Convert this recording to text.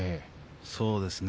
そうですね。